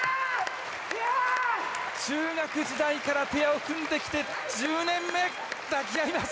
中学時代からペアを組んできて１０年目、抱き合います。